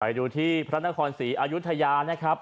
ไปดูที่พระนครศรีอายุทยานะครับ